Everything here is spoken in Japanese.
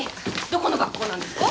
どこの学校なんですか？